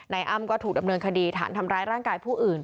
อ้ำก็ถูกดำเนินคดีฐานทำร้ายร่างกายผู้อื่น